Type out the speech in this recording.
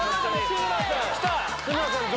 きた。